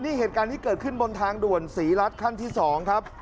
นี่เหตุการณ์ที่เกิดขึ้นบนทางด่วนศรีรัฐขั้นที่๒ครับ